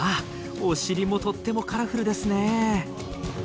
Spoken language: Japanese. お尻もとってもカラフルですね。